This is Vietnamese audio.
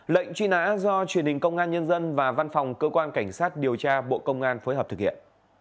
lệnh truy nã do truyền hình công an nhân dân và văn phòng cơ quan cảnh sát điều tra bộ công an phối hợp thực hiện